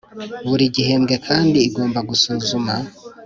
Buri gihembwe kandi igomba gusuzuma